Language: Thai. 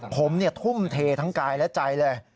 ผมทุ่มเททั้งกายและใจเลย